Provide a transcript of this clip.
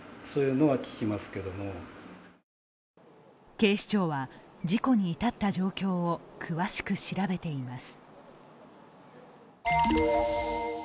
警視庁は事故に至った状況を詳しく調べています。